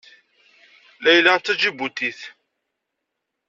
Layla d Taǧibutit.